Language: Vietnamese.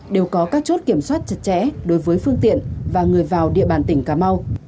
đều có các chốt kiểm soát chặt chẽ đối với phương tiện và người vào địa bàn tỉnh cà mau